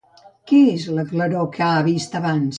Què és la claror que ha vist abans?